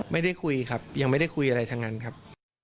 ไม่ได้คุยครับยังไม่ได้คุยอะไรทั้งนั้นครับ